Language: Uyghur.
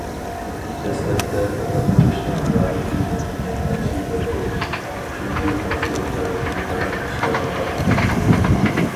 دەسلەپتە‹‹ دادا بولۇشنىڭ راھىتى نېمىدېگەن ياخشى›› دەپ ئويلىدىم، چۈنكى تاپشۇرۇقلىرىمنى دادام ئىشلەۋاتاتتى.